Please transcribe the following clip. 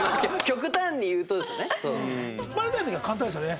極端に言うとですよね。